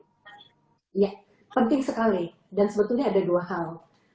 ya penting sekali dan sebetulnya ada dua hal